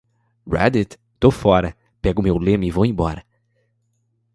Reddit? Tô fora. Pego meu lemmy e vou embora.